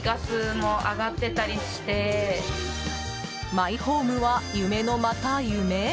マイホームは夢のまた夢？